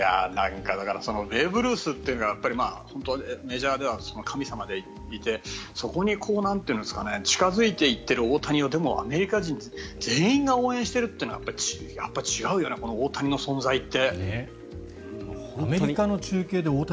ベーブ・ルースっていうのが、メジャーでは神様でいて、そこに近付いていっている大谷をでも、アメリカ人全員が応援しているというのはやっぱり違うよね大谷の存在って。